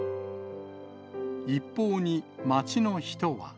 一報に、街の人は。